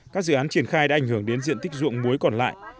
các dự án triển khai đã ảnh hưởng đến diện tích dụng muối còn lại